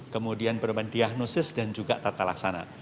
kemudian perubahan diagnosis dan juga tata laksana